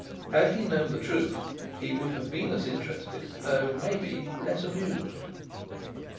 Had he known the truth, he would have been as interested, though, maybe, less amused.